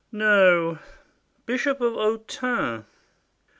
No! Bishop of Autun.